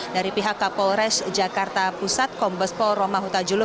dari pihak kapolres jakarta pusat kombes pol romahutajulu